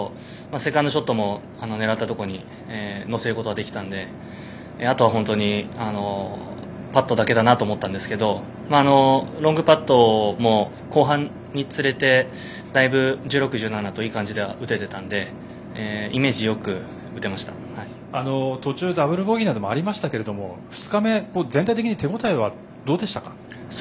セカンドショットも狙ったところに乗せることができたのであとは本当にパットだけだなと思ったんですけどロングパットも後半につれてだいぶ１６、１７といい感じで打ててたので途中、ダブルボギーなどもありましたけども２日目、全体的に手応えはどうでしたか？